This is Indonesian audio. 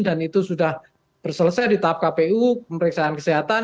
dan itu sudah berselesai di tahap kpu pemeriksaan kesehatan